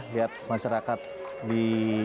lihat masyarakat di